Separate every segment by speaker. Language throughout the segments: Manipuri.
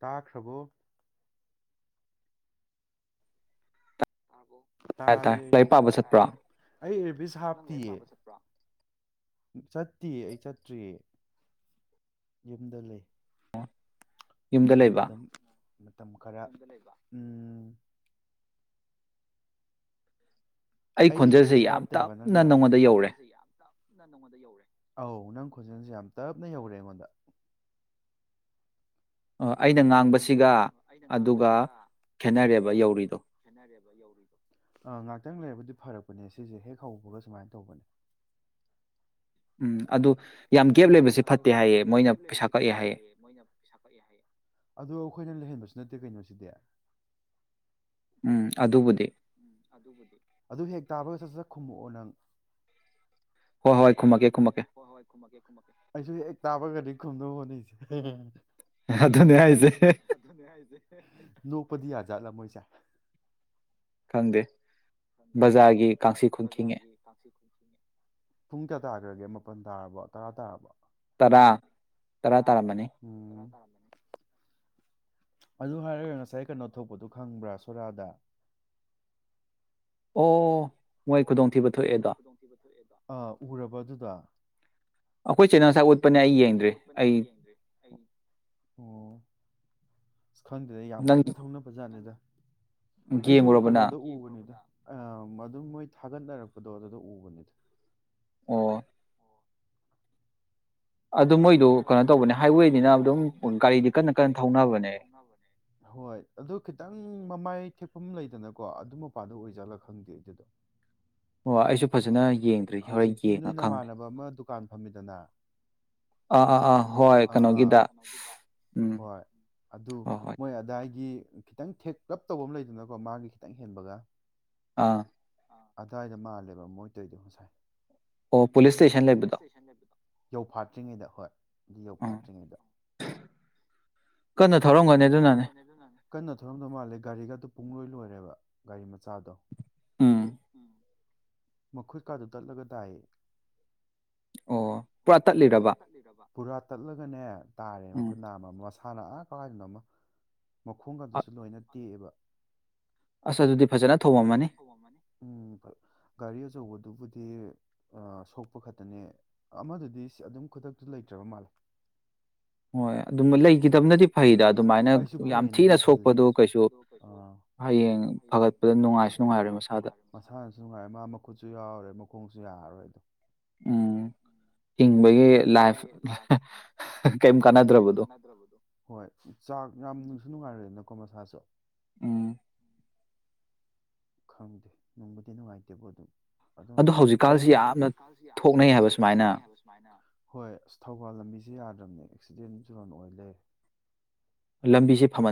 Speaker 1: ꯇꯥꯛ ꯈꯔꯕꯣ ꯑꯕꯣ ꯇꯥꯔꯦ ꯑꯩ ꯍꯥꯞꯇ ꯆꯠꯇꯦ ꯑꯩ ꯆꯠꯇ꯭ꯔꯤꯌꯦ ꯌꯨꯝꯗ ꯂꯩ
Speaker 2: ꯌꯨꯝꯗ ꯂꯩꯕ
Speaker 1: ꯃꯇꯝ ꯈꯔ ꯂꯩ ꯎꯝ ꯑꯩ ꯏꯌꯔꯕꯤꯁ ꯍꯥꯞꯇꯦ ꯍꯥꯏꯕ ꯅꯪꯅ ꯑꯩ ꯈꯣꯟꯖꯦꯜꯁꯦ ꯑ ꯅꯪ ꯈꯣꯟꯖꯦꯜꯁꯦ ꯌꯥꯝ ꯇꯞꯅ ꯌꯧꯔꯦ ꯑꯩꯉꯣꯟꯗ
Speaker 2: ꯑꯣ ꯑꯩꯅ ꯉꯥꯡꯕꯁꯤ
Speaker 1: ꯑꯩꯅ ꯉꯥꯡꯕꯁꯤꯒ ꯑꯗꯨꯒ ꯈꯦꯅꯔꯦꯕ ꯌꯧꯔꯤꯕ ꯑ ꯉꯥꯛꯇꯪ ꯂꯩꯔꯕꯗꯤ ꯐꯔꯛꯄꯅꯦ ꯁꯤꯁꯦ ꯍꯦꯛ ꯍꯧꯕꯒ ꯁꯨꯃꯥꯏꯅ ꯇꯧꯕꯅꯦ
Speaker 2: ꯎꯝ ꯑꯗꯨ
Speaker 1: ꯌꯥꯝ ꯦ ꯂꯩꯕꯁꯤ ꯐꯠꯇꯦ ꯍꯥꯏꯌꯦ ꯃꯣꯏꯅ ꯄꯩꯁ ꯀꯛꯑꯦ ꯍꯥꯏꯌꯦꯦ ꯑꯣ ꯑꯩꯈꯣꯏꯅꯍ ꯅꯠꯇꯦ ꯀꯩꯅꯣꯁꯤꯗꯤ
Speaker 2: ꯎꯝ ꯑꯗꯨꯕꯨꯗꯤ
Speaker 1: ꯈꯨꯝꯃꯛꯑꯣ ꯅꯪ
Speaker 2: ꯍꯣꯏ ꯈꯨꯝꯃꯛꯀꯦ꯫
Speaker 1: ꯍꯣꯏ ꯍꯣꯏ ꯈꯨꯝꯃꯛꯀꯦ ꯑꯩꯁꯨ ꯍꯦꯛ ꯇꯥꯕꯒꯅꯤ [unintelligible] ꯑꯗꯨꯅꯤ ꯍꯥꯏꯖꯦ ꯅꯣꯛꯄꯗꯤ ꯌꯥꯗ [unintelligible] ꯃꯣꯏꯖꯦ
Speaker 2: ꯐꯪꯗꯦ ꯕꯖꯥꯔꯒꯤ ꯀꯥꯡꯁꯤ ꯈꯨꯟꯈꯤꯉꯦ
Speaker 1: ꯄꯨꯡ ꯀꯌꯥ ꯇꯥꯒ꯭ꯔꯒꯦ ꯃꯥꯄꯜ ꯇꯥꯔꯕꯣ ꯇꯔꯥ ꯇꯥꯔꯕꯣ
Speaker 2: ꯇꯔꯥ ꯇꯥꯔꯝꯃꯅꯤ
Speaker 1: ꯑꯗꯨ ꯍꯥꯏꯔꯒ ꯉꯁꯥꯏ ꯀꯩꯅꯣ ꯊꯣꯛꯄꯗꯨ ꯈꯪꯕ꯭ꯔꯥ ꯁꯣꯔꯥꯗ
Speaker 2: ꯑꯣꯑꯣ ꯃꯣꯏ ꯈꯨꯗꯣꯡꯊꯤꯕ ꯊꯣꯛꯑꯦꯗꯣ
Speaker 1: ꯑ ꯎꯔꯕ ꯑꯗꯨꯗꯣ
Speaker 2: ꯑꯈꯣꯏ
Speaker 1: ꯑꯩꯈꯣꯏ [unintelligible] ꯑꯩ ꯌꯦꯡꯗ꯭ꯔꯤ ꯑꯩ ꯑꯣ ꯈꯪꯗꯦꯗ ꯌꯥꯝ ꯀꯟꯅ ꯊꯧꯅꯕ ꯖꯥꯠꯅꯤꯗ ꯑꯩꯁꯨ ꯀꯩꯅꯣꯗ ꯎꯕꯅꯤꯗ ꯑ ꯑꯗꯨꯝ ꯃꯣꯏ ꯊꯥꯒꯠꯅꯔꯛꯄꯗꯣ ꯑꯗꯨꯗ ꯎꯕꯅꯤꯗ
Speaker 2: ꯑꯣ
Speaker 1: ꯩ ꯑꯗꯨ ꯈꯤꯇꯪ ꯃꯃꯥꯏ ꯑꯩ ꯊꯦꯛꯐꯝ ꯂꯩꯗꯅꯀꯣ ꯑꯗꯨ ꯃꯄꯥꯟꯗ ꯑꯣꯏꯖꯥꯠꯂ ꯈꯪꯗꯦ
Speaker 2: ꯑꯣꯏ ꯑꯩꯁꯨ ꯐꯖꯅ ꯌꯦꯡꯗ꯭ꯔꯤ ꯍꯣꯔꯦꯟ ꯌꯦꯡꯉ ꯈꯪꯅꯤ ꯑꯥ ꯑꯥ ꯑꯥ ꯍꯣꯏ ꯀꯩꯅꯣꯒꯤꯗ ꯎꯝ ꯍꯣꯏ ꯍꯣꯏ
Speaker 1: ꯈꯤꯇꯪ ꯊꯦꯛ ꯄꯨꯂꯞ ꯇꯧꯕ ꯑꯃ ꯂꯩꯗꯅꯀꯣ ꯃꯥꯒꯤ ꯈꯤꯇꯪ ꯍꯦꯟꯕꯒ
Speaker 2: ꯑ
Speaker 1: ꯑ ꯗꯨꯋꯥꯏꯗ ꯃꯥꯜꯂꯦ ꯃꯣꯏꯇꯩꯗꯤ ꯍꯁꯥꯏ ꯏꯁ ꯌꯧꯐꯥꯠꯇ꯭ꯔꯤꯉꯩꯗ ꯍꯣꯏ ꯑꯗꯨ ꯌꯧꯐꯥꯠꯇ꯭ꯔꯤꯉꯩꯗ ꯀꯟꯅ ꯊꯧꯔꯝꯗꯧ ꯃꯥꯜꯂꯦ ꯒꯥꯔꯤꯒꯗꯨ ꯄꯨꯡ ꯂꯣꯏ ꯂꯣꯏꯔꯦ ꯒꯥꯔꯤ ꯃꯆꯥꯗꯣ ꯎꯝ ꯃꯈꯨꯠ ꯀꯥꯗꯨ ꯇꯠꯂꯒ ꯇꯑ ꯄꯨꯔꯥ ꯇꯠꯂꯒꯅꯦ ꯇꯥꯔꯦ ꯃꯈꯨꯠ ꯅꯥ ꯑꯃ ꯍꯥꯟꯅ ꯀꯥꯏꯗꯅꯣꯃ ꯃꯈꯣꯡꯒ ꯗꯨꯁꯨ ꯂꯣꯏꯅ ꯇꯦꯛꯑꯦꯕ꯫ ꯑꯁ ꯑꯗꯨꯗꯤ ꯐꯖꯅ ꯊꯣꯝꯃꯝꯃꯅꯤ ꯎꯝ ꯐ ꯒꯥꯔꯤ ꯑ ꯑꯆꯧꯕꯗꯨꯕꯨꯗꯤ ꯑ ꯁꯣꯛꯄ ꯈꯇꯅꯦ ꯑꯃꯗꯨꯗꯤꯁ ꯑꯗꯨꯝ ꯈꯨꯗꯛꯇ ꯂꯩꯇ꯭ꯔꯕ ꯃꯥꯜꯂꯦ꯫
Speaker 2: ꯍꯣꯏ ꯑꯗꯨꯝ ꯂꯩꯒꯤꯗꯝꯅꯗꯤ
Speaker 1: ꯒꯤꯗꯝꯅꯗꯤ ꯐꯩꯌꯦꯅ ꯑꯩꯁꯨ ꯐꯩꯅꯗꯤ ꯈꯜꯂꯦ ꯊꯤꯅ ꯁꯣꯛꯄꯗꯣ ꯀꯩꯁꯨ ꯑꯥ ꯍꯌꯦꯡ ꯐꯒꯠꯄꯗꯣ ꯅꯨꯡꯉꯥꯢꯁꯨ ꯅꯨꯡꯉꯥꯢꯔꯣꯢ ꯃꯁꯥꯅꯁꯨ ꯅꯨꯡꯉꯥꯏꯔꯣꯏ ꯃꯥ ꯃꯈꯨꯠꯁꯨ ꯌꯥꯎꯔꯔꯣꯏ ꯃꯈꯣꯡ ꯀꯩꯁꯨ ꯌꯥꯔꯔꯣꯏ ꯑꯗꯣ꯫
Speaker 2: ꯎꯝ ꯍꯤꯡꯕꯒꯤ ꯂꯥꯏꯐ [unintelligible] ꯀ꯭ꯌꯝ ꯀꯥꯟꯅꯗ꯭ꯔꯕꯗꯣ꯫
Speaker 1: ꯆꯥꯛ ꯌꯥꯝ ꯅꯨꯡꯁꯨ ꯅꯨꯡꯉꯥꯏꯔꯣꯢꯗꯅ ꯃꯁꯥꯁꯨ꯫
Speaker 2: ꯎꯝ꯫
Speaker 1: ꯈꯪꯗꯦ ꯅꯨꯡꯕꯨꯗꯤ ꯅꯨꯡꯉꯥꯏꯇꯦꯕꯣ ꯑꯗꯨꯝ꯫ ꯑꯗꯣ ꯀ꯭ꯌꯝ [unintelligible] ꯍꯨꯖꯤꯛꯀꯥꯜꯁꯦ ꯌꯥꯝꯅ ꯊꯣꯛꯅꯩ ꯍꯥꯢꯕ ꯁꯨꯃꯥꯢꯅꯥ ꯍꯣꯏ ꯑꯁ ꯊꯧꯕꯥꯜ ꯂꯝꯕꯤꯁꯦ ꯌꯥꯗ꯭ꯔꯝꯅꯦ꯫ ꯑꯦꯛꯁꯤꯗꯦꯟ ꯖꯣꯟ ꯑꯣꯏ ꯂꯩꯔꯦ꯫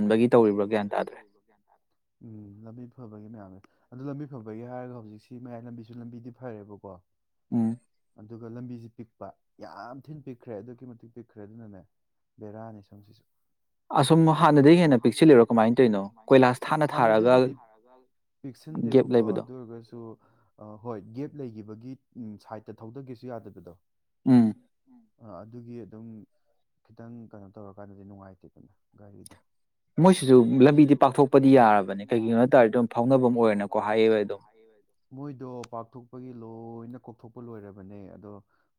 Speaker 1: ꯎꯝ ꯂꯝꯕꯤꯁꯦ ꯐꯃꯟꯕꯒꯤ ꯇꯧꯔꯤꯕ꯭ꯔꯥ ꯒ꯭ꯌꯥꯟ ꯇꯥꯗ꯭ꯔꯦ ꯎꯝ ꯂꯝꯕꯤ ꯐꯕꯒꯤꯅꯦꯕ꯫ ꯑꯗꯨ ꯂꯝꯕꯤ ꯐꯕꯒꯤ ꯍꯥꯏꯔꯒ ꯍꯧꯖꯤꯛ ꯁꯤ ꯃꯌꯥꯏ ꯂꯝꯕꯤꯁꯨ ꯂꯝꯕꯤꯗꯤ ꯐꯔꯦꯕꯀꯣ
Speaker 2: ꯎꯝ꯫
Speaker 1: ꯑꯗꯨꯒ ꯂꯝꯕꯤꯖꯤ ꯄꯤꯛꯄ ꯌꯥꯝ ꯊꯤꯟ ꯄꯤꯛꯈ꯭ꯔꯦ ꯑꯗꯨꯛꯀꯤ ꯃꯇꯤꯛ ꯄꯤꯛꯈ꯭ꯔꯦ ꯑꯗꯨꯅꯅꯦ ꯕꯦꯔꯥꯅꯤ ꯁꯣꯝꯁꯤꯁꯨ꯫ ꯑꯁꯨꯝ ꯍꯥꯟꯗꯩ ꯍꯦꯟꯅ ꯄꯤꯛꯁꯤꯜꯂꯤꯔꯣ ꯀꯃꯥꯏꯟ ꯇꯩꯅꯣ, ꯍꯥꯟꯗꯩꯕꯨꯗꯤ [unintelligible] ꯄꯤꯁꯤꯟꯗꯦꯕꯀꯣ ꯑꯗꯨ ꯑꯣꯏꯔꯒꯁꯨ ꯑ ꯍꯣꯏ ꯒꯦꯞ ꯂꯩꯒꯤꯕꯒꯤ ꯒꯤ ꯁꯥꯏꯠꯇ ꯊꯧꯗꯒꯦꯁꯨ ꯌꯥꯗꯕꯗꯣ
Speaker 2: ꯎꯝ
Speaker 1: ꯑ ꯑꯗꯨꯒꯤ ꯑꯗꯨꯝ ꯈꯤꯇꯪ ꯀꯩꯅꯣ ꯇꯧꯔꯀꯥꯟꯗꯗꯤ ꯅꯨꯡꯉꯥꯏꯇꯦꯗꯅ ꯒꯥꯔꯤꯗ ꯃꯣꯏꯗꯣ ꯄꯥꯛꯊꯣꯛꯄꯒꯤ ꯂꯣꯏꯅ ꯀꯣꯛꯊꯣꯛꯄ ꯂꯣꯏꯔꯕꯅꯦ ꯑꯗꯣ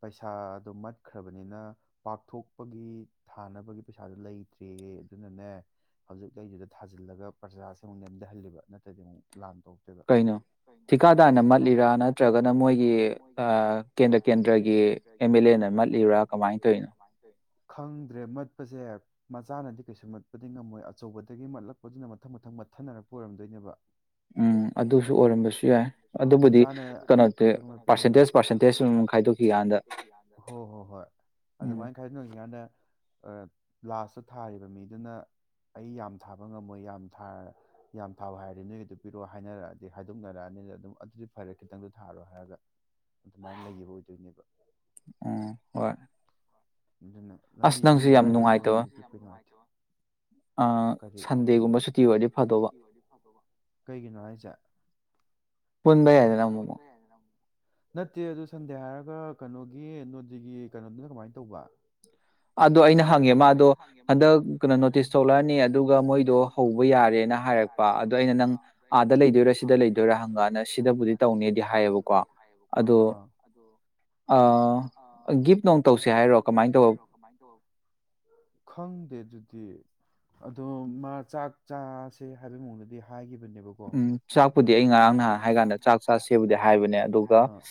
Speaker 1: ꯄꯩꯁꯥꯗꯣ ꯃꯠꯈ꯭ꯔꯕꯅꯤꯅ ꯄꯥꯛꯊꯣꯛꯄꯒꯤ ꯊꯥꯅꯕꯒꯤ ꯄꯩꯁꯥꯗꯨ ꯂꯩꯇ꯭ꯔꯦꯌꯦ ꯑꯗꯨꯅꯅꯦ ꯍꯧꯖꯤꯛ ꯂꯩꯗꯨꯗ ꯊꯥꯖꯤꯜꯂꯒ ꯄ꯭ꯔꯖꯥꯁꯦ ꯑꯃꯨꯛ ꯅꯦꯝꯊꯍꯜꯂꯤꯕ ꯅꯠꯇ꯭ꯔꯗꯤ ꯑꯃꯨꯛ ꯂꯥꯟ
Speaker 2: ꯀꯩꯅꯣ ꯊꯤꯀꯥꯗꯥꯔꯅ ꯃꯠꯂꯤꯔꯥ ꯅꯠꯇ꯭ꯔꯒꯅ ꯃꯣꯏꯒꯤ ꯀꯦꯟꯗ꯭ꯔ ꯀꯦꯟꯗ꯭ꯔꯒꯤ ꯑꯦꯝ ꯑꯦꯜ ꯑꯦꯅ ꯃꯠꯂꯤꯔꯥ ꯀꯃꯥꯏꯅ ꯇꯧꯔꯤꯅꯣ
Speaker 1: ꯈꯪꯗ꯭ꯔꯦ ꯃꯠꯄꯁꯦ ꯃꯆꯥꯅꯗꯤ ꯀꯩꯁꯨ ꯃꯠꯄꯗꯤ ꯉꯝꯃꯣꯏ ꯑꯆꯧꯕꯗꯒꯤ ꯃꯠꯂꯛꯄꯗꯨꯅ ꯃꯊꯪ ꯃꯊꯪ ꯃꯠꯊꯅꯔꯛꯄ ꯑꯣꯏꯔꯝꯗꯣꯏꯅꯦꯕ ꯃꯆꯥꯅ ꯈꯛꯇ ꯃꯠꯄꯗꯤ ꯉꯝꯃꯣꯏ ꯍꯣꯏ ꯍꯣꯏ ꯍꯣꯏ ꯑꯗꯨꯃꯥꯏꯅ ꯈꯥꯏꯗꯣꯛꯅꯈꯤ ꯀꯥꯟꯗ ꯑ ꯂꯥꯁꯇ ꯊꯥꯔꯤꯕ ꯃꯤꯗꯨꯅ ꯑꯩ ꯌꯥꯝ ꯊꯥꯕ ꯉꯝꯃꯣꯏ ꯌꯥꯝ ꯌꯥꯝ ꯊꯥꯎ ꯍꯥꯏꯔꯗꯤ ꯅꯣꯏꯒꯤꯗꯨ ꯄꯤꯔꯛꯑꯣ ꯍꯥꯏꯅꯔꯛꯑꯗꯤ ꯍꯥꯏꯗꯣꯛꯅꯔꯛꯑꯅꯤꯅ ꯑꯗꯨꯝ ꯑꯗꯨꯗꯤ ꯐꯔꯦ ꯈꯤꯇꯪꯗꯣ ꯊꯥꯔꯣ ꯍꯥꯏꯔꯒ ꯑꯗꯨꯃꯥꯏꯅ ꯂꯩꯈꯤꯕ ꯑꯣꯏꯗꯣꯏ ꯅꯦ
Speaker 2: ꯑꯣ ꯍꯣꯏ
Speaker 1: ꯑꯗꯨꯅ ꯂꯝꯕꯤꯗꯤ ꯅꯨꯡꯉꯥꯏꯔꯦꯕꯣ ꯀꯔꯤ ꯀꯩꯒꯤꯅꯣ ꯍꯥꯏꯁꯦ ꯅꯠꯇꯦ ꯑꯗꯨ ꯁꯟꯗꯦ ꯍꯥꯏꯔꯒ ꯀꯩꯅꯣꯒꯤ ꯅꯣꯒꯤ ꯀꯩꯅꯣꯗꯨꯅ ꯀꯃꯥꯏꯅ ꯇꯧꯕ
Speaker 2: ꯑꯗꯣ ꯑꯩꯅ ꯍꯪꯉꯦ ꯃꯥ ꯑꯗꯣ ꯍꯟꯗꯛ ꯀꯩꯅꯣ ꯅꯣꯇꯤꯁ ꯊꯣꯛꯂꯛꯑꯅꯤ ꯑꯗꯨꯒ ꯃꯣꯏꯗꯣ ꯍꯧꯕ ꯌꯥꯔꯦꯅ ꯍꯥꯏꯔꯛꯄ ꯑꯗꯣ ꯑꯩꯅ ꯅꯪ ꯑꯥꯗ ꯂꯩꯗꯣꯏꯔꯥ ꯁꯤꯗ ꯂꯩꯗꯣꯏꯔꯥ ꯍꯪꯉꯛꯅ ꯁꯤꯗꯕꯨꯗꯤ ꯇꯧꯅꯦꯗꯤ ꯍꯥꯏꯌꯦꯕꯀꯣ ꯑꯗꯣ ꯒꯤꯐ ꯅꯨꯡ ꯇꯧꯁꯤ ꯁꯤ ꯍꯥꯏꯔꯛꯣ ꯀꯃꯥꯏꯅ ꯇꯧꯕ
Speaker 1: ꯈꯪꯗꯦ ꯑꯗꯨꯗꯤ ꯑꯗꯣ ꯃꯥ ꯆꯥꯛ ꯆꯥꯁꯦ ꯍꯥꯏꯕꯩ ꯃꯑꯣꯡꯗꯗꯤ ꯍꯥꯏꯈꯤꯕ ꯆꯥꯛ ꯉꯔꯥꯡ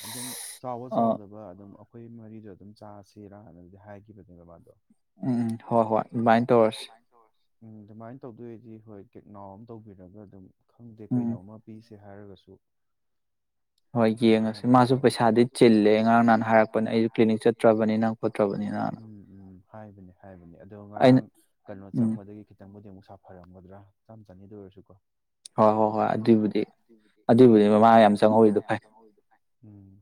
Speaker 1: ꯑꯗꯨꯝ ꯆꯥꯎꯕ ꯆꯥꯎꯗꯕ ꯑꯗꯨꯝ ꯑꯩꯈꯣꯏ ꯃꯔꯤ ꯑꯗꯨꯝ ꯆ ꯁꯤꯔꯥꯅꯗꯤ ꯍꯥꯏꯈꯤꯕꯅꯦ ꯕꯕꯥꯗꯣ
Speaker 2: ꯎꯝ ꯍꯣꯏ ꯍꯣꯏ ꯑꯗꯨꯃꯥꯏꯅ ꯇꯧꯔꯁꯤ
Speaker 1: ꯎꯝ ꯑꯗꯨꯃꯥꯏꯅ ꯇꯧꯗꯣꯏꯗꯤ ꯍꯣꯏ ꯀꯦꯛ ꯅꯥꯎ ꯑꯃ ꯇꯧꯕꯤꯔꯒ ꯑꯗꯨꯝ ꯈꯪꯗꯦ ꯀꯩꯅꯣꯃ ꯄꯤꯁꯤ ꯁꯦ ꯍꯥꯏꯔꯒꯁꯨ
Speaker 2: ꯍꯣꯏ ꯌꯦꯡꯉꯁꯤ ꯃꯥꯁꯨ ꯄꯩꯁꯥꯗꯤ ꯆꯤꯜꯂꯦ ꯑꯉꯔꯥꯡ ꯅꯍꯥꯟꯅ ꯍꯥꯏꯔꯛꯄꯅꯦ ꯑꯩꯁꯨ ꯀ꯭ꯂꯤꯅꯤꯛ ꯆꯠꯇ꯭ꯔꯕ
Speaker 1: ꯆꯠꯇ꯭ꯔꯕꯅꯤꯅ ꯎꯝ ꯍꯥꯏꯕꯅꯦ ꯍꯥꯏꯕꯅꯤ ꯑꯗꯣ ꯉꯔꯥꯡ ꯀꯩꯅꯣ ꯆꯪꯕꯗꯒꯤ ꯈꯤꯇꯪꯕꯨꯗꯤ ꯑꯃꯨꯛ ꯄꯩꯁꯥ ꯐꯔꯝꯒꯗ꯭ꯔꯥ ꯆꯥꯝ ꯆꯅꯤꯗ ꯑꯣꯏꯔꯁꯨ ꯀꯣ ꯍꯣꯏ ꯍꯣꯏ ꯍꯣꯏ ꯑꯗꯨꯕꯨꯗꯤ ꯑꯗꯨꯏꯕꯨꯗꯤ ꯃꯃꯥ ꯌꯥꯝ ꯆꯪꯍꯧꯤꯗꯣ ꯐꯥꯏ ꯎꯝ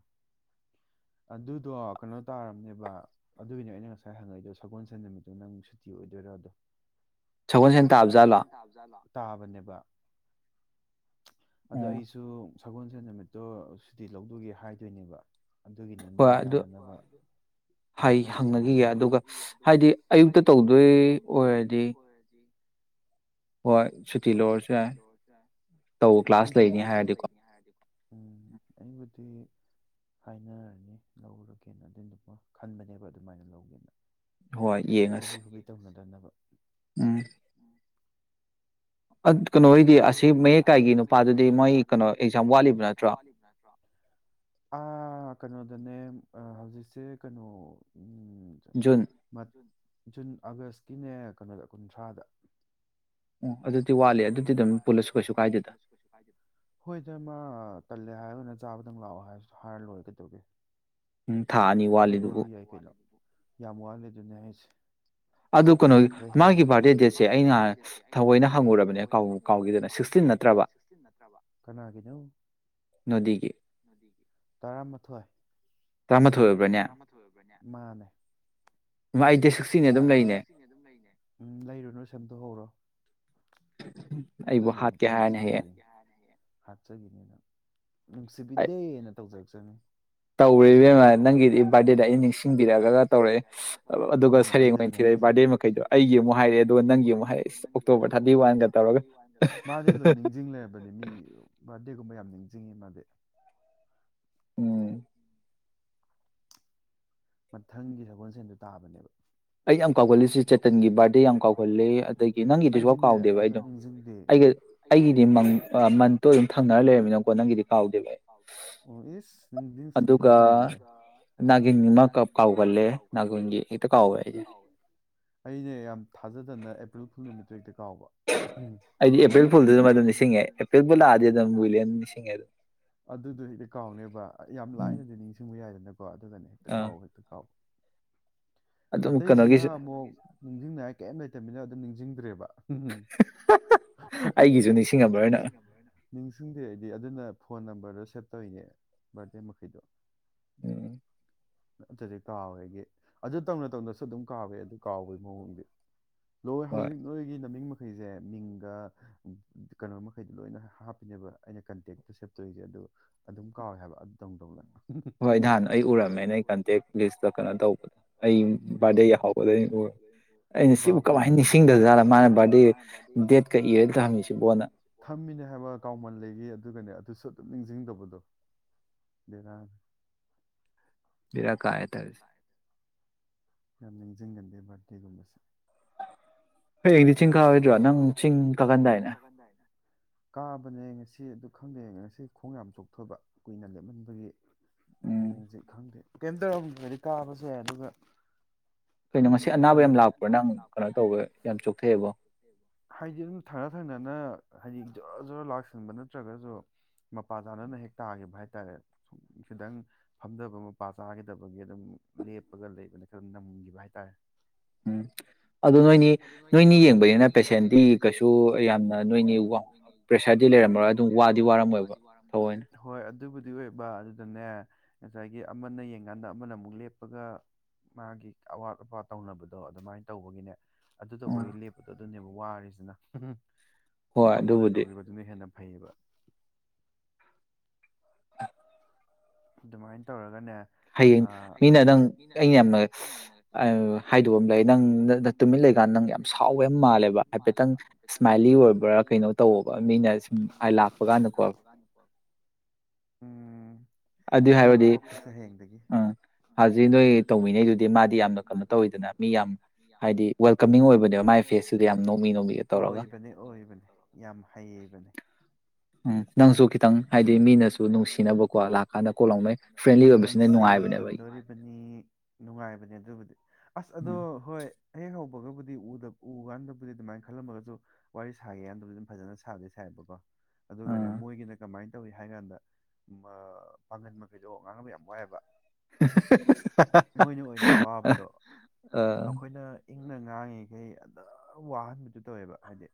Speaker 1: ꯑꯗꯨꯗꯣ ꯀꯩꯅꯣ ꯇꯥꯔꯝꯅꯦꯕ ꯕꯥ ꯑꯗꯨꯒꯤꯅꯦ ꯑꯩꯅ ꯉꯁꯥꯏ ꯍꯪꯉꯛꯏꯗꯣ ꯁꯒꯣꯜ ꯁꯟ ꯅꯨꯃꯤꯠꯇꯣ ꯅꯪ ꯁꯨꯇꯤ ꯑꯣꯏꯗꯣꯏꯔ ꯑꯗꯣ
Speaker 2: ꯁꯒꯣꯟ ꯁꯟꯇ ꯑꯞꯖꯥꯂ
Speaker 1: ꯇꯥꯕꯅꯦꯕ ꯑꯗꯣ ꯑꯩꯁꯨ ꯁꯒꯣꯜꯁꯦꯟ ꯅꯨꯃꯤꯠꯇꯣ ꯁꯤꯗꯤꯤ ꯂꯧꯗꯣꯏꯒꯦ ꯍꯥꯏꯗꯣꯏꯅꯦꯕ ꯑꯗꯨꯒꯤꯅꯤ ꯅꯣꯏ ꯌꯥꯅꯅꯕ ꯩꯅꯣ ꯇꯧꯔꯛꯑꯣ ꯍꯥꯏꯗꯤ ꯑꯌꯨꯗ ꯑꯩꯕꯨꯗꯤ ꯎꯝ ꯑꯩꯕꯨꯗꯤ ꯍꯥꯏꯅꯔꯅꯤ ꯂꯧꯔꯒꯦꯅ ꯑꯗꯨꯏꯗꯨꯃ ꯈꯟꯕꯅꯦꯕ ꯑꯗꯨꯃꯥꯏꯅ ꯂꯧꯒꯦꯅ
Speaker 2: ꯍꯣꯏ ꯌꯦꯡꯉꯁꯤ
Speaker 1: ꯟꯕ
Speaker 2: ꯎꯝ
Speaker 1: ꯀꯩꯅꯣꯗꯤ ꯑꯁꯤ ꯃꯌꯦꯛꯀꯥꯏꯒꯤ ꯅꯨꯄꯥꯗꯨꯗꯤ ꯃꯣꯏ ꯀꯩꯅꯣ ꯋꯥꯠꯂꯤꯕ ꯅꯠꯇ꯭ꯔꯣ ꯑꯩꯅ ꯑꯗꯅꯦ ꯍꯧꯖꯤꯛꯁꯦ ꯀꯩꯅꯣ ꯎꯝ ꯆ ꯖꯨꯟ ꯑꯥꯒꯁꯀꯤꯅꯦ ꯀꯩꯅꯣꯗ ꯀꯨꯟꯊ꯭ꯔꯥꯗ
Speaker 2: ꯑꯗꯨ
Speaker 1: ꯍꯣꯏꯔꯃ ꯇꯜꯂꯦ ꯍꯥꯏ [inaudible] ꯑꯩꯈꯣꯏ ꯏꯇꯩꯃꯥ ꯇꯜꯂꯦ ꯍꯥꯏꯔꯃꯤꯅ ꯆꯥꯕꯗꯪ ꯂꯥꯛꯑꯣ ꯍꯥꯏꯔꯁꯨ ꯍꯥꯏꯔꯒ ꯂꯣꯏꯔꯦ ꯀꯩꯗꯧꯔꯒꯦ
Speaker 2: ꯎꯝ ꯊꯥ ꯑꯅꯤ ꯋꯥꯠꯂꯤꯗꯨꯕꯨ
Speaker 1: ꯌꯥꯝ ꯋꯥꯠꯂꯦ ꯑꯗꯨꯅꯦ ꯍꯥꯏꯁꯦ
Speaker 2: ꯑꯗꯨ ꯀꯩꯅꯣꯒꯤ ꯃꯥꯒꯤ ꯕꯥꯔꯗꯦ ꯗꯦꯠꯁꯦ ꯑꯩꯅ ꯊꯑꯣꯏꯅ ꯍꯪꯉꯨꯔ
Speaker 1: ꯊꯥꯑꯣꯏꯅ ꯍꯪꯉꯨꯏꯔꯣ ꯁꯤꯛꯁꯇꯤꯟ ꯅꯠꯇꯔꯥꯕꯥ ꯀꯅꯥꯒꯤꯅꯣ ꯀꯔꯝꯕ ꯊꯣꯏꯅꯣ ꯎ ꯂꯩꯔꯨꯅꯨ ꯁꯦꯝꯝꯗꯣꯛꯍꯧꯔꯣ
Speaker 2: ꯑꯩꯕꯨ ꯍꯥꯠꯀꯦ ꯍꯥꯏꯔꯅꯤ ꯍꯌꯦꯡ
Speaker 1: ꯍꯥꯠꯆꯒꯤꯅꯤꯅ ꯅꯨꯡꯁꯤꯕꯤꯗꯦꯅ ꯇꯧꯖꯒꯦ ꯁꯉꯦ
Speaker 2: ꯇꯧꯔꯦꯏꯕꯦꯝꯃ ꯅꯪꯒꯤꯗꯤ ꯕꯥꯔꯗꯦꯗ ꯑꯩ ꯅꯤꯡꯁꯤꯡꯕꯤꯔꯛꯑꯒ ꯇꯧꯔꯛꯑꯦ
Speaker 1: ꯎ ꯑꯗꯨꯅꯦ ꯂ ꯅꯤꯡꯁꯤꯡꯂꯔꯕꯗꯤ ꯃꯤ ꯕꯥꯔꯗꯦꯒꯨꯝꯕ ꯌꯥꯝ [inaudible] ꯆꯤꯡꯒꯤꯃꯗ ꯃꯊꯪꯒꯤ ꯁꯒꯣꯜꯁꯦꯟꯗꯨ ꯇꯥꯕꯅꯦꯕ [unintelligible] ꯅꯦ [unintelligible]
Speaker 2: ꯑꯗꯨꯒ ꯅꯒꯤꯟ ꯃ ꯀ ꯀꯥꯎ ꯀꯜꯂꯦ ꯅꯒꯨꯟ ꯏ ꯀꯥꯎ ꯍꯥꯏꯦ
Speaker 1: ꯑꯩꯅ ꯌꯥꯝ ꯊꯥꯖꯗꯅ ꯑꯦꯄ꯭ꯔꯤꯜ ꯀꯨꯟ ꯅꯨꯃꯤꯠ ꯇꯔꯦꯛꯇ ꯑꯗꯨꯗꯗꯤ ꯀꯥꯎꯅꯦꯕ ꯌꯥꯝ ꯂꯥꯏꯅꯗꯤ ꯅꯤꯡꯁꯤꯡꯕ ꯌꯥꯏꯗꯅ ꯑꯗꯨꯀꯣ ꯑꯗꯨꯗꯅꯦ ꯏꯠꯇꯀꯥꯎ ꯏꯠꯇꯀꯥꯎ ꯑꯇꯩꯁꯤꯅ ꯑꯃꯨꯛ ꯅꯤꯡꯁꯤꯡ ꯀꯩꯝ ꯂꯩꯇꯕꯃꯤꯅ ꯑꯗꯨꯝ ꯅꯤꯡꯁꯤꯡꯗ꯭ꯔꯦꯕ ꯎꯝ ꯅꯤꯡꯁꯤꯡꯗꯦ ꯍꯥꯏꯗꯤ ꯑꯗꯨꯅ ꯐꯣꯟ ꯅꯝꯕꯔꯗꯣ ꯁꯦꯞ ꯇꯧꯔꯤꯅꯦ ꯕꯥꯔꯗꯦ ꯃꯈꯩꯗꯣ
Speaker 2: ꯎꯝ
Speaker 1: ꯆꯗꯤ ꯀꯥꯎꯋꯦꯒꯤ ꯑꯗꯨ ꯇꯧꯅ ꯇꯧꯅꯁꯨ ꯑꯗꯨꯝ ꯀꯥꯎꯋꯦ ꯑꯗꯨ ꯀꯥꯎꯕꯒꯤ ꯃꯑꯣꯡꯗꯤ ꯂꯣꯏ ꯍꯧꯖꯤꯛ ꯅꯣꯏꯒꯤ ꯅꯃꯤꯡ ꯑꯩꯩꯁꯦ ꯃꯤꯡꯒ ꯀꯩꯅꯣ ꯃꯈꯩꯗꯣ ꯂꯣꯏꯅ ꯍꯥꯞꯄꯤꯅꯦꯕ ꯑꯩꯅ ꯀꯟꯇꯦꯛꯇꯣ ꯁꯦꯞ ꯇꯧꯔꯤꯁꯦ ꯑꯗꯣ ꯑꯗꯨꯝ ꯀꯥꯎꯋꯦ ꯍꯥꯏꯕ ꯑꯗꯨ ꯇꯧꯅ ꯇꯧꯅ
Speaker 2: ꯍꯣꯏ ꯅꯍꯥꯟ ꯑꯩ ꯎꯔꯝꯃꯦ ꯅꯧꯩ
Speaker 1: ꯚꯞ ꯑꯣꯏ ꯊꯝꯃꯤꯅꯦ ꯍꯥꯏꯕ ꯀꯥꯎꯃꯟ ꯂꯩꯒ ꯑꯗꯨꯒꯅꯦ ꯑꯗꯨꯁꯨ ꯑꯗꯨꯝ ꯅꯤꯡꯁꯤꯡꯗꯕꯗꯣ ꯗꯦꯔ
Speaker 2: ꯃꯦꯔ ꯀꯥꯑ ꯊ
Speaker 1: ꯌꯥꯃꯤꯖꯤꯡꯒꯟꯗ ꯕꯊꯗꯦꯒꯨꯝꯕꯁꯦ ꯑꯩꯗꯤ ꯆꯤꯡꯔꯣꯏ ꯅ ꯀꯥꯕꯅꯦ ꯉꯁꯤ ꯈꯪꯗꯦ ꯉꯁꯤ ꯈꯣꯡ ꯌꯥꯝ ꯆꯣꯛꯊꯣꯏꯕ ꯀꯨꯏꯅ ꯂꯦꯞꯍꯟꯕꯒꯤ ꯍꯌꯦꯡ ꯍꯧꯖꯤꯛ ꯈꯪꯗꯦ ꯀꯩꯝꯇꯧꯔꯝꯗ꯭ꯔꯗꯤ ꯀꯥꯕꯁꯦ ꯑꯗꯨꯒ
Speaker 2: ꯀꯩꯅꯣ ꯉꯁꯤ ꯑꯅꯥꯕ ꯌꯥꯝ ꯂꯥꯛꯄ꯭ꯔꯥ ꯅꯪ ꯀꯩꯅꯣ ꯇꯧꯕꯋꯦ ꯌꯥꯝ ꯆꯣꯛꯊꯩꯑꯦꯕ
Speaker 1: ꯍꯥꯏꯗꯤ ꯑꯗꯨ ꯊꯪꯅ ꯊꯪꯖꯅ ꯍꯥꯏꯗꯤ ꯖꯣꯔ ꯖꯣꯔ ꯂꯥꯛꯁꯤꯟꯕ ꯅꯠꯇ꯭ꯔꯒꯁꯨ ꯃꯄꯥ ꯆꯥꯅꯅ ꯍꯦꯛ ꯇꯥꯈꯤꯕ ꯍꯥꯏꯇꯥꯔꯦ ꯈꯤꯇꯪ ꯐꯝꯊꯕ ꯃꯄꯥ ꯆꯥꯈꯤꯗꯕꯒꯤ ꯑꯗꯨꯝ ꯂꯦꯞꯄꯒ ꯂꯩꯕꯅ ꯈꯈꯤꯔ ꯅꯝꯈꯤꯕ ꯍꯥꯏꯇꯥꯔꯦ
Speaker 2: ꯎꯝ ꯑꯗꯨꯣ ꯅꯣꯏꯅꯤ ꯅꯣꯏꯅꯤ
Speaker 1: ꯅꯣꯏꯅꯦ ꯌꯦꯡꯕꯅꯤꯅ ꯄꯦꯁꯦꯟꯗꯤ ꯀꯩꯁꯨ ꯌꯥꯝꯅ ꯅꯣꯏ ꯄ꯭ꯔꯦꯁꯔꯗꯤ ꯂꯩꯔꯝꯃ ꯑꯗꯨ ꯋꯥꯗꯤ ꯋꯥꯔꯝꯃꯣꯏ ꯍ ꯑꯗꯨꯕꯨꯗꯤ ꯑꯣꯏꯕ ꯑꯗꯨꯗꯅꯦ ꯉꯁꯥꯏꯒꯤ ꯑꯃꯅ ꯌꯦꯡꯀꯥꯟꯗ ꯑꯃꯅ ꯑꯃꯨꯛ ꯂꯦꯞꯄꯒ ꯃꯥꯒꯤ ꯑꯋꯥꯠ ꯑꯄꯥ ꯇꯧꯅꯕꯗꯣ ꯑꯗꯨꯃꯥꯏꯅ ꯇꯧꯕꯒꯤꯅꯦ ꯑꯗꯨ ꯇꯧꯕꯣ ꯏꯜꯂꯤ ꯑꯗꯨꯅꯦꯕ ꯋꯥꯔꯤꯔꯤꯁꯤꯅ ꯐꯝꯃꯒ ꯇꯧꯈꯤꯕꯗꯨꯅ ꯍꯦꯟꯅ ꯍꯩꯕ ꯑꯗꯨꯃꯥꯏꯅ ꯇꯧꯔꯒꯅꯦ ꯍꯌꯦꯡ ꯃꯤꯅ ꯅꯪ ꯑꯩꯅ ꯌꯥꯝꯅ ꯍꯥꯏꯗꯣꯛꯑ ꯑꯃ ꯂꯩ ꯅꯪ ꯇꯨꯃꯤꯠ ꯂꯩꯀꯥꯟꯗ ꯅꯪ ꯌꯥꯝ ꯁꯥꯎꯕ ꯌꯥꯝ ꯃꯥꯜꯂꯦꯕ ꯍꯥꯏꯐꯦꯠꯇꯪ ꯏꯁꯃꯥꯏꯂꯤ ꯑꯣꯏꯕ꯭ꯔꯥ ꯀꯩꯅꯣ ꯇꯧꯕ ꯃꯤꯅ ꯂꯥꯛꯄ ꯀꯥꯟꯗꯣ ꯅꯣꯛ ꯊꯣꯛꯁ ꯍꯦꯡꯡ ꯎ ꯅꯩꯋꯤꯗ ꯑꯣꯏꯕꯅꯦ ꯑꯣꯏꯕꯅꯦ ꯌꯥꯝ ꯍꯩꯕꯅꯦ
Speaker 2: ꯎꯝ
Speaker 1: ꯅꯁꯨ ꯈꯤꯇꯪ ꯍꯥꯏ ꯃꯤꯅꯁꯨꯅꯨꯡ ꯅꯨꯡꯁꯤꯍꯟꯗꯣꯔꯤꯕꯅꯤ ꯅꯨꯡꯉꯥꯏꯕꯅꯦ ꯑꯗꯨꯕꯨꯗꯤ ꯑꯁ ꯑꯗꯣ ꯍꯣꯏ ꯍꯌꯦꯦꯛ ꯍꯧꯕꯒꯕꯨꯗꯤꯗ ꯎꯀꯥꯟꯗꯕꯨꯗꯤ ꯑꯗꯨꯃꯥꯏꯅ ꯈꯜꯂꯝꯃꯒꯁꯨ ꯋꯥꯔꯤ ꯁꯥꯒꯦꯀꯥꯟꯗꯕꯨꯗꯤ ꯑꯗꯨꯝ ꯐꯖꯅ ꯁꯥꯗꯦ ꯁꯥꯏꯕꯀꯣ ꯑꯗꯨꯒꯅꯦ ꯃꯣꯏꯒꯤꯅ ꯀꯃꯥꯏꯅ ꯇꯧꯏꯤ ꯍꯥꯏ ꯀꯥꯟꯗ ꯄꯥꯡꯒꯟ ꯃꯈꯩꯗꯣ ꯉꯥꯡꯅꯕ ꯌꯥꯝ ꯋꯥꯏꯑꯕ ꯃꯣꯏꯅ ꯑꯣꯏꯅ ꯋꯥꯕꯗꯣ ꯑꯩꯈꯣꯏꯅ ꯏꯪꯅ ꯉꯥꯡꯉꯤꯈꯩ ꯑꯗꯨ ꯋꯥꯍꯟꯕꯗꯨ ꯇꯧꯋꯦꯕ ꯍꯥꯏꯗꯤ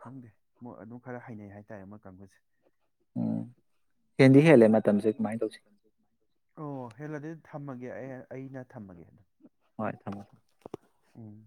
Speaker 1: ꯈꯪꯗꯦ ꯃꯣꯏ ꯑꯗꯨꯝ ꯈꯔ ꯍꯩꯅꯩ ꯍꯥꯏꯇꯥꯔꯦ ꯃꯣꯏ ꯀꯥꯡꯪꯕꯨꯁꯦ ꯀꯅꯤ ꯍꯦꯂꯦꯅ ꯄꯦ ꯑꯣ ꯍꯦꯜꯂꯗꯤ ꯊꯝꯃꯒꯦ ꯑꯩ ꯑꯩꯅ ꯊꯝꯃꯒꯦ ꯎꯝ